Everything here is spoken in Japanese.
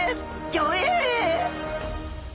ギョエ！